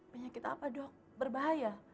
penyakit apa dok berbahaya